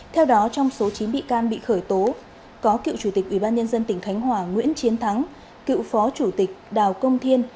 theo đó trong số chín bị can bị khởi tố có cựu chủ tịch ubnd tỉnh khánh hòa nguyễn chiến thắng cựu phó chủ tịch đào công thiên